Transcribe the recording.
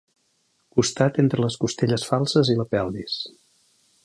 Costat entre les costelles falses i la pelvis.